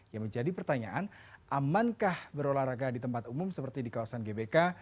yang menjadi pertanyaan amankah berolahraga di tempat umum seperti di kawasan gbk